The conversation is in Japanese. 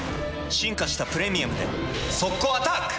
進化した「プレミアム」で速攻アタック！